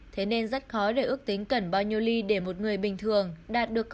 thế nên rất khó để ước tính cần bao nhiêu ly để một người bình thường đạt được